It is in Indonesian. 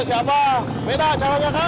sudah tau barangnya